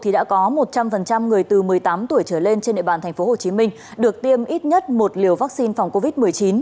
đã có một trăm linh người từ một mươi tám tuổi trở lên trên địa bàn thành phố hồ chí minh được tiêm ít nhất một liều vaccine phòng covid một mươi chín